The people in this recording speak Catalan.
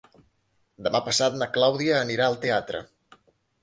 Demà passat na Clàudia anirà al teatre.